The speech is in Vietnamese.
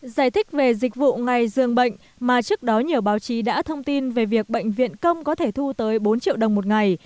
giải thích về dịch vụ ngày dường bệnh mà trước đó nhiều báo chí đã thông tin về việc bệnh viện công có thể thu tới bốn triệu đồng một ngày